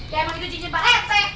ya emang itu cincin parete